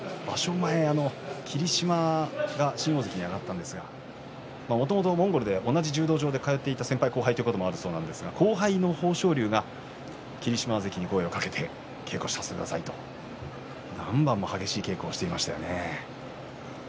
前、霧島が新大関に上がったんですがもともとモンゴルで同じ柔道場に通っていた先輩、後輩だったんですが後輩の豊昇龍が霧島関に声をかけて稽古させてくださいと何番も激しい稽古をしていました。